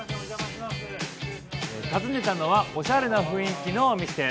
訪ねたのはおしゃれな雰囲気の店。